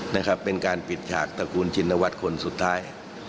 นะครับเป็นการปิดฉากตระกูลชินวัฒน์คนสุดท้าย